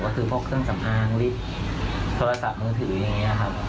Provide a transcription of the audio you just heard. ก็คือพวกเครื่องสำอางลิฟต์โทรศัพท์มือถืออย่างนี้ครับ